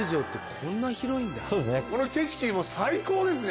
この景色も最高ですね。